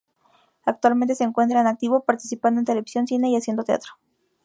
Actualmente se encuentra en activo participando en televisión, cine y haciendo teatro.